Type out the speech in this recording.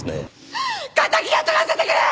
敵を取らせてくれ！